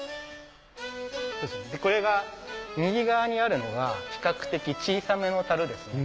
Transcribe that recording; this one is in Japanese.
これが右側にあるのが比較的小さめの樽ですね。